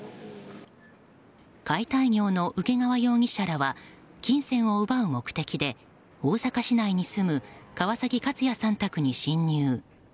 解体業の請川容疑者らは金銭を奪う目的で大阪市内に住む川崎勝哉さん宅に侵入。